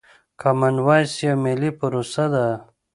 کامن وايس يوه ملي پروسه ده.